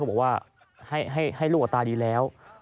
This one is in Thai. เขาบอกว่าให้ลูกกับตาดีแล้ว